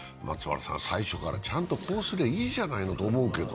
最初からちゃんとこうすればいいじゃないのと思うけど。